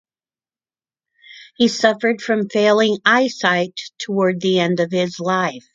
He suffered from failing eyesight towards the end of his life.